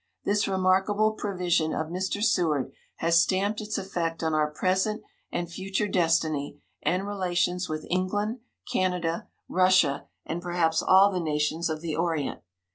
This remarkable prevision of Mr. Seward has stamped its effect on our present and future destiny and relations with England, Canada, Russia and perhaps all the nations of the Orient.